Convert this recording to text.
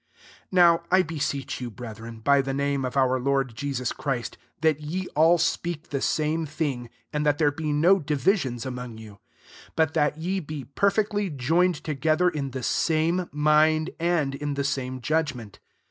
10 NOW I beseech you, brethren, by the name of our Lord Jesus Christ, that ye all speak the same thing, and thai there be no divisions amonf you; but that ye be perfcctlf joined together in the same mind, and in the same judg* ment.